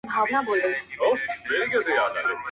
د سنکړې نجونه داغ کېږدي پۀ ینې